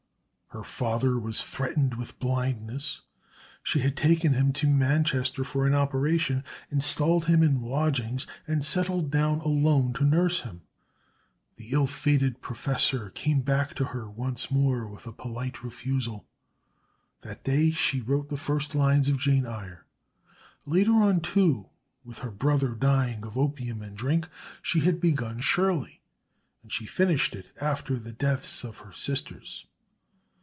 Her father was threatened with blindness. She had taken him to Manchester for an operation, installed him in lodgings, and settled down alone to nurse him. The ill fated Professor came back to her once more with a polite refusal. That very day she wrote the first lines of Jane Eyre. Later on too, with her brother dying of opium and drink, she had begun Shirley, and she finished it after the deaths of her sisters.